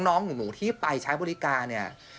น้องหนูที่ไปใช้บริการเนี่ย